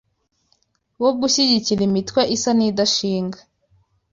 wo gushyigikira imitwe isa n’idashinga